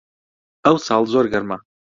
ئەوساڵ زۆر گەرمە